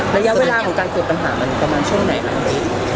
ระยะเวลาของการเกิดปัญหามันประมาณช่วงไหนคะ